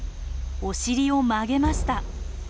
お尻を曲げました。